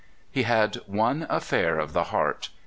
He had one affair of the heart.